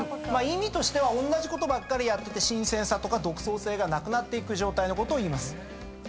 意味としてはおんなじことばっかりやってて新鮮さとか独創性がなくなる状態のことをいいます。